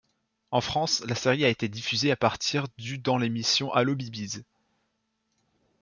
En France, la série a été diffusée à partir du dans l'émission Allo Bibizz!